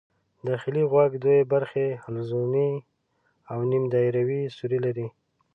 داخلي غوږ دوې برخې حلزوني او نیم دایروي سوري لري.